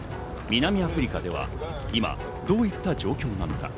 南アフリカでは今どういった状況なのか。